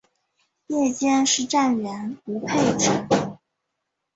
夜间是站员无配置。